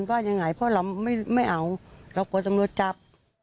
ว่ายังไงเพราะเราไม่เอาเรากลัวตำรวจจับ